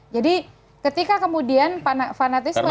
jadi ketika kemudian fanatisme